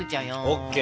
ＯＫ。